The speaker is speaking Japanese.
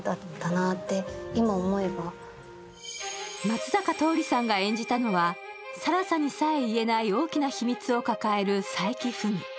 松坂桃李さんが演じたのは更紗にさえ言えない大きな秘密を抱える佐伯文。